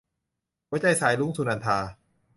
หัวใจสายรุ้ง - สุนันทา